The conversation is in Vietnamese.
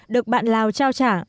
được bạn lào trao trả